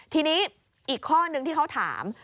ทีนี้อีกข้อนึงที่เขาถาม